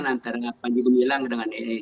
untuk mengaitkan antara panji gumilang dengan nii